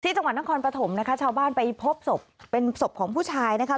จังหวัดนครปฐมนะคะชาวบ้านไปพบศพเป็นศพของผู้ชายนะคะ